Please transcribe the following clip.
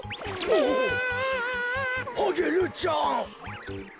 おおアゲルちゃん。